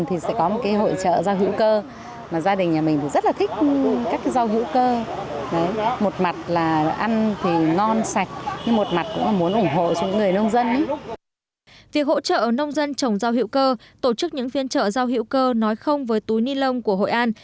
việc hỗ trợ nông dân trồng rau hữu cơ tổ chức những phiên trợ rau hữu cơ nói không với túi ni lông của hội an